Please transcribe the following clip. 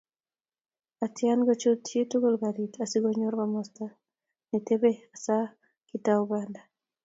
Atia kochut chitukul karit asikonyor komasta netebee, asaa aketou banda